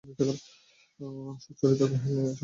সুচরিতা কহেল, সমস্ত দিন উপোস করে থাকতে হয়।